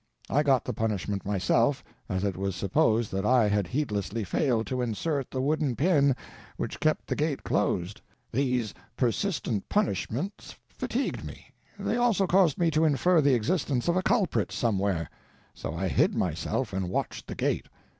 I got the punishment myself, as it was supposed that I had heedlessly failed to insert the wooden pin which kept the gate closed. These persistent punishments fatigued me; they also caused me to infer the existence of a culprit, somewhere; so I hid myself and watched the gate.